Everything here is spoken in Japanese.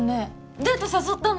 デート誘ったの？